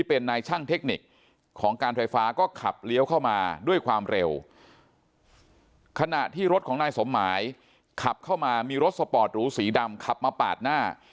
เป็นนายช่างเทคนิคของการไฟฟ้าก็ขับเลี้ยวเข้ามาด้วยความเร็วขณะที่รถของนายสมหมายขับเข้ามามีรถสปอร์ตหรูสีดำขับมาปาดหน้า